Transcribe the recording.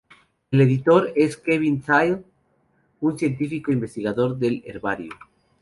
El editor es Kevin Thiele, un científico investigador del herbario.